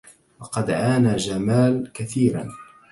لقد عانى جمال كثيرا.